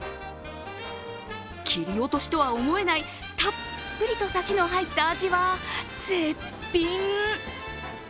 切り落としとは思えないたっぷりとサシの入った味は絶品。